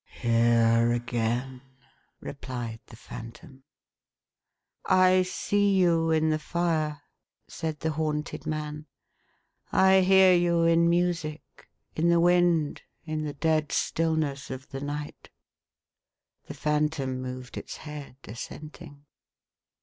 " Here again !" replied the Phantom. 4 36 THE HAUNTED MAN. " I see you in the fire," said the haunted man ;" I hear you in music, in the wind, in the dead stillness of the night/1 The Phantom moved its head, assenting.